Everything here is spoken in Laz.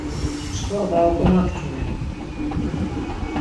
Çkva var oǩomaktinen.